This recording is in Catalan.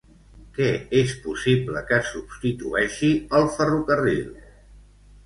Què és possible que substitueixi el ferrocarril?